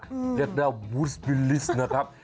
เรียกได้บูสวิลลิสนะครับ